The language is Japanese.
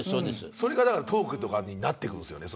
それがトークとかになっていくんですよね。